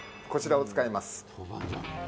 こちらを使います